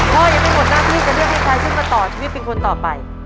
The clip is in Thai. พ่อยังไม่หมดหน้าที่จะเลือกให้ใครขึ้นมาต่อชีวิตเป็นคนต่อไป